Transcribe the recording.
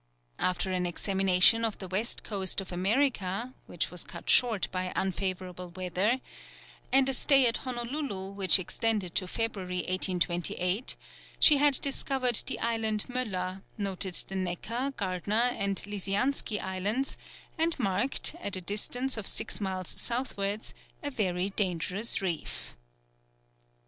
After an examination of the west coast of America, which was cut short by unfavourable weather, and a stay at Honolulu, which extended to February, 1828, she had discovered the island Möller, noted the Necker, Gardner, and Lisiansky Islands, and marked, at a distance of six miles southwards, a very dangerous reef.